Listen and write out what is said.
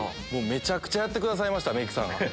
めちゃくちゃやってくださったメイクさんが。